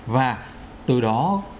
và từ đó